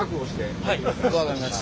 分かりました。